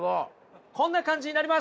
こんな感じになります。